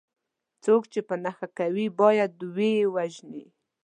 څوک چې په نښه کوي باید وه یې وژني.